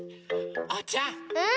おうちゃん！